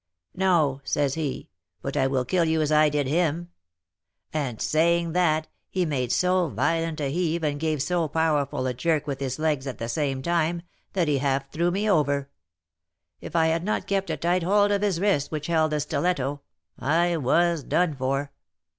'No,' says he; 'but I will kill you as I did him.' And saying that, he made so violent a heave, and gave so powerful a jerk with his legs at the same time, that he half threw me over; if I had not kept a tight hold of his wrist which held the stiletto, I was done for.